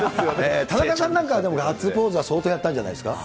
田中さんなんかはガッツポーズは相当やったんじゃないですか。